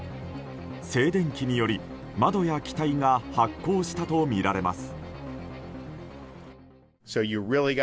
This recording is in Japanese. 静電気により、窓や機体が発光したとみられます。